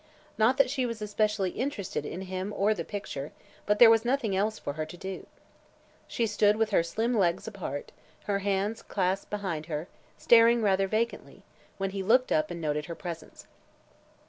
Not that she was especially interested in him or the picture, but there was nothing else for her to do. She stood with her slim legs apart, her hands clasped behind her, staring rather vacantly, when he looked up and noted her presence.